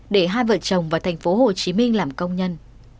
để hai vợ chồng vào thành phố hồ chí minh làm công nhân